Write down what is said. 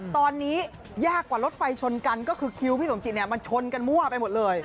ตอนนี้ยากกว่ารถไฟชนกันก็คือคิวพี่สมจิตมันชนกันมั่วไปหมดเลย